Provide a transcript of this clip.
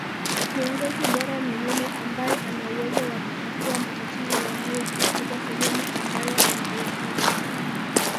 kiongozi bora ni yule ambae ana uwezo wa kutatua matatizo yanayojitokeza sehemu ambayo anaiongoza